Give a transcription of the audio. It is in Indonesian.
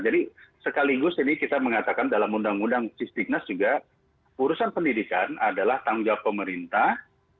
jadi sekaligus ini kita mengatakan dalam undang undang sistiknas juga urusan pendidikan adalah tanggung jawab pemerintah